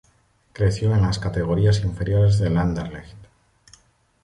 Creció en las categorías inferiores del Anderlecht.